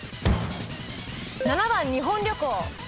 ７番日本旅行。